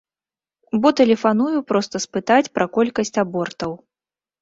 Бо тэлефаную проста спытаць пра колькасць абортаў.